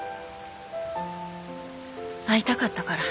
会いたかったから。